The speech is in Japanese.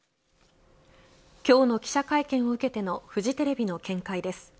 今日の記者会見を受けてのフジテレビの見解です